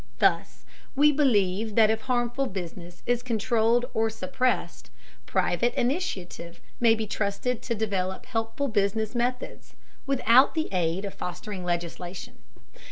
Thus we believe that if harmful business is controlled or suppressed, private initiative may be trusted to develop helpful business methods, without the aid of fostering legislation.